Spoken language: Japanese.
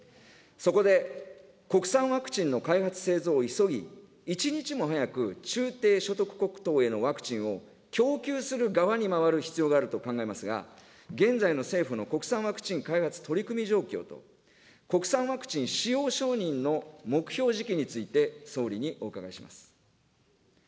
そこで、国産ワクチンの開発・製造を急ぎ、一日も早く中低所得国等へのワクチンを供給する側に回る必要があると考えますが、現在の政府の国産ワクチン開発取り組み状況と、国産ワクチン使用承認の目標時期について、総理にお伺いします。